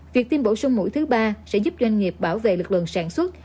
việc tiêm bổ sung mũi thứ ba sẽ giúp doanh nghiệp bảo vệ lực lượng sản xuất